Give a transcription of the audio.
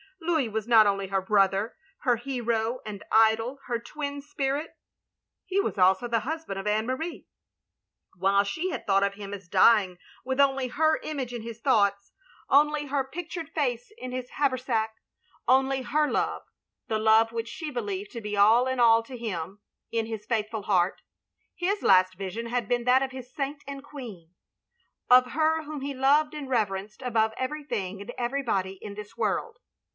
Louis was not only her brother, her hero and idol, her twin spirit, — ^he was also the husband of Anne Marie. While she had thought of him as dying with only her image in his thoughts, only her pictured 326 THE LONELY LADY face in his haversac, only her love — ^the love which she believed to be all in all to him — ^in his faithful heart; — ^his last vision had been that of his " saint and queen, — of her whom he loved and reverenced "above everything and every body in this world."